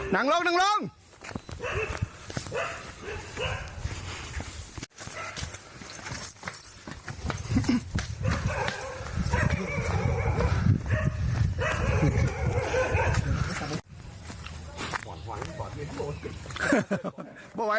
นั่งโลกนั่งโลก